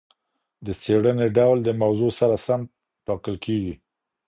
د څېړنې ډول د موضوع سره سم ټاکل کېږي.